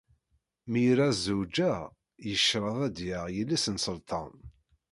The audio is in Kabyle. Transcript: Mi ira ad yezweǧ, yecreḍ ad yaɣ yelli-s n sselṭan.